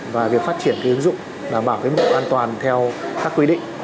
và việc phát triển cái ứng dụng và bảo vệ mức an toàn theo các quy định